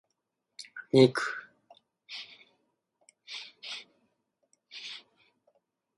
肉